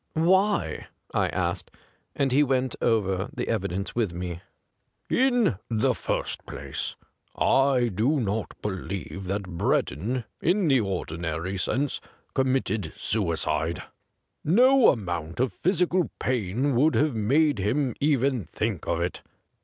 ' Why ?' I asked ; and he went over the evidence with me. ' In the first place, I do not believe 189 THE GRAY CAT that Breddorij in the ordinary sense, committed suicide. No amount of physical pain would have made him even think of it.